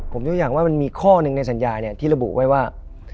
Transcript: ผมยกอย่างว่ามันมีข้อหนึ่งในสัญญาที่ระบุไว้ว่า